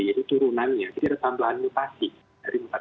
itu turunannya jadi ada tambahan mutasi dari mutasi